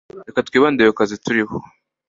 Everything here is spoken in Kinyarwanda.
Reka twibande ku kazi kariho.